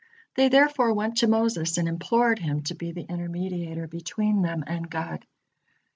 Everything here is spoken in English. They therefore went to Moses and implored him to be the intermediator between them and God.